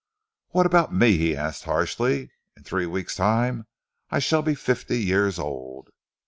"What about me?" he asked harshly. "In three weeks' time I shall be fifty years old."